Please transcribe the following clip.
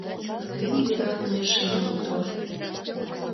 Кӧн йӧратыме шем мотор?